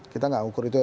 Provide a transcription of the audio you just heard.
kita nggak ukur itu ya